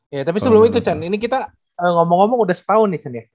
iya tapi sebelum itu chan ini kita ngomong ngomong udah setahun nih chan ya